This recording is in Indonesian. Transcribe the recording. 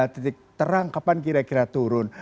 titik terang kapan kira kira turun